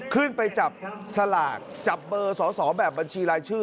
ขึ้นไปจับสลากจับเบอร์สอสอแบบบัญชีรายชื่อ